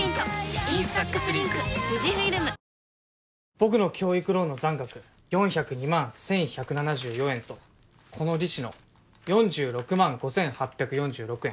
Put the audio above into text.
僕の教育ローンの残額４０２万１，１７４円とこの利子の４６万５，８４６円。